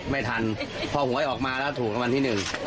ไม่ทันพอหัวไอ้ออกมาแล้วถูกกับมันที่หนึ่ง